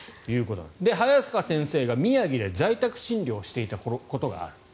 早坂先生が宮城で在宅診療をしていたことがある。